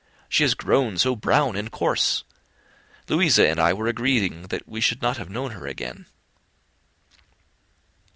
She is grown so brown and coarse! Louisa and I were agreeing that we should not have known her again."